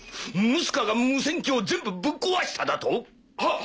ムスカが無線機を全部ぶっ壊しただと⁉はっ！